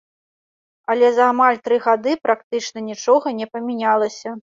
Але за амаль тры гады практычна нічога не памянялася.